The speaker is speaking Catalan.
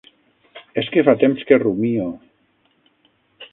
- És que fa temps que rumio.